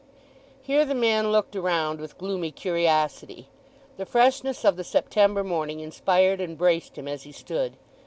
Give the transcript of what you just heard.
Here the man looked around with gloomy curiosity. The freshness of the September morning inspired and braced him as he stood.